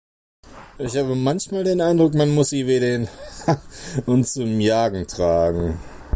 Ich habe manchmal den Eindruck, man muss sie wie den H- und zum Jagen tragen.